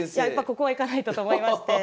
ここは行かないとと思いまして。